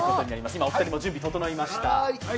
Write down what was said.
今、お二人も準備整いました。